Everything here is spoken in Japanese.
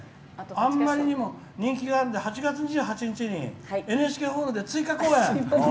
あんまりにも人気があるので８月２８日にＮＨＫホールで追加公演？